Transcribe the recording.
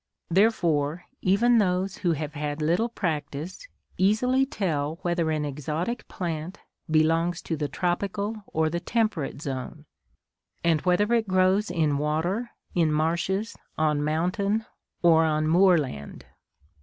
Therefore, even those who have had little practice easily tell whether an exotic plant belongs to the tropical or the temperate zone, and whether it grows in water, in marshes, on mountain, or on moorland.